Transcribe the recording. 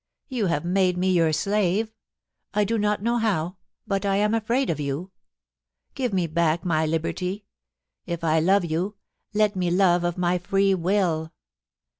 You have made me your slave ; I do not know how — but I am afraid of you. Give me back my liberty. If I love you, let me love of my free will.